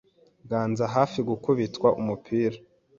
Ganza hafi gukubitwa umupira.